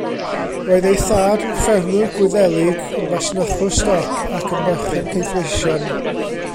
Roedd ei thad yn ffermwr Gwyddelig, yn fasnachwr stoc ac yn berchen caethweision.